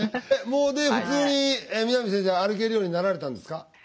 もう普通に南先生歩けるようになられたんですか？